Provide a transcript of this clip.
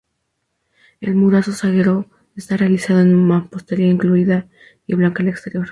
El muro zaguero está realizado en mampostería enlucida y blanca al exterior.